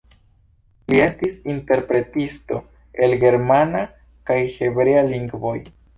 Li estis interpretisto el germana kaj hebrea lingvoj.